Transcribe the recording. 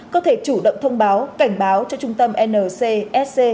có thể chủ động thông báo cảnh báo cho trung tâm ncsc